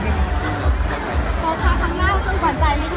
เราก็จะเดินขันมาเพราะว่าที่มันจะยิ่ง